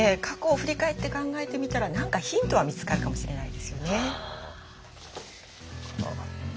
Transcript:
過去を振り返って考えてみたら何かヒントは見つかるかもしれないですよね。